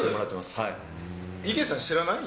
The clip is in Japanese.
池さん、知らない？